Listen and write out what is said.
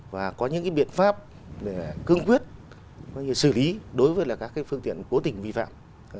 và có những biện pháp để cương quyết xử lý đối với các phương tiện cố tình vi phạm